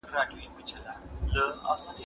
زه له سهاره ليک لولم؟